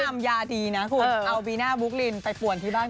ทำยาดีนะคุณเอาบีน่าบุ๊กลินไปป่วนที่บ้าน